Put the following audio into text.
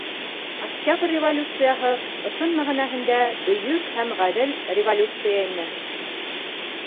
Октябрь революцияһы ысын мәғәнәһендә бөйөк һәм ғәҙел революция ине!